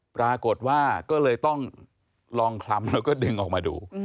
ปรากฏว่าก็เลยต้องลองคล้ำแล้วก็ดึงออกมาดู